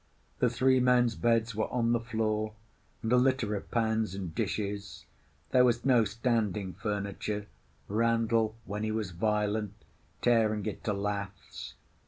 The three men's beds were on the floor, and a litter of pans and dishes. There was no standing furniture; Randall, when he was violent, tearing it to laths.